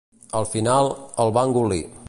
Al final, el va engolir.